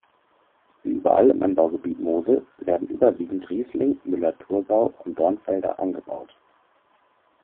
Wie überall im Anbaugebiet Mosel werden überwiegend Riesling, Müller-Thurgau und Dornfelder angebaut.